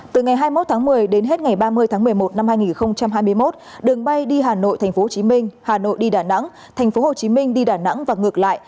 từ ngày hai mươi một tháng một mươi đến hết ngày ba mươi tháng một mươi một năm hai nghìn hai mươi một đường bay đi hà nội thành phố hồ chí minh hà nội đi đà nẵng thành phố hồ chí minh đi đà nẵng và ngược lại